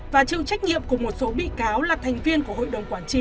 và chịu trách nhiệm của một số bị cáo là thành viên của hội đồng quản chức